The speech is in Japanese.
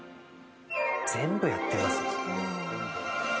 全部やってますもんね。